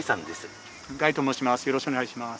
よろしくお願いします。